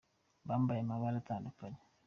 Bambaye amabara atandukanye.